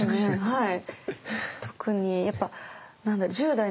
はい。